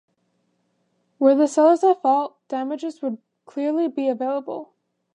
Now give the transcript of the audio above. Were the sellers at fault, damages would clearly be available.